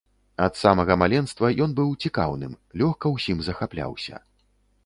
Ад самага маленства ён быў цікаўным, лёгка ўсім захапляўся.